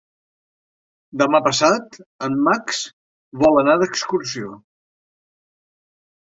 Demà passat en Max vol anar d'excursió.